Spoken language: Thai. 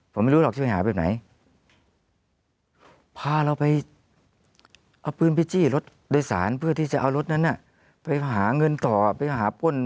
ผมไม่รู้หรอกช่วยหาเป็นไหน